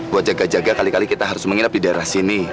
buat jaga jaga kali kali kita harus menginap di daerah sini